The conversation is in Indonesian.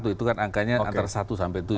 itu kan angkanya antara satu sampai tujuh